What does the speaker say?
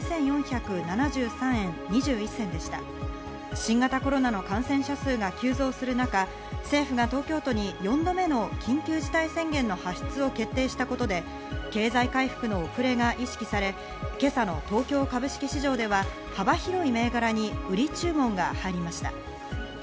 新型コロナの感染者数が急増する中、政府が東京都に４度目の緊急事態宣言の発出を決定したことで、経済回復の遅れが意識され、今朝の東京株式市場では幅広い銘柄に売り注文が入りました。